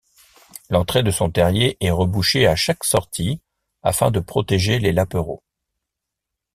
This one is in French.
L'entrée de son terrier est rebouchée à chaque sortie afin de protéger les lapereaux.